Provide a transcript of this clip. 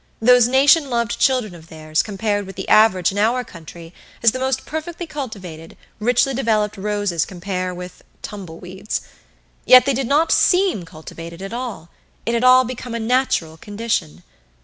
Those nation loved children of theirs compared with the average in our country as the most perfectly cultivated, richly developed roses compare with tumbleweeds. Yet they did not SEEM "cultivated" at all it had all become a natural condition.